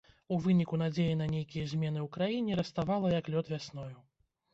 У выніку надзея на нейкія змены ў краіне раставала, як лёд вясною.